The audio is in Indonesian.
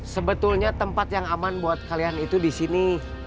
sebetulnya tempat yang aman buat kalian itu di sini